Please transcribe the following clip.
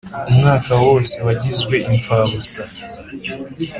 Umwaka wose wajyizwe ipfabusa.